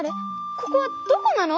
ここはどこなの？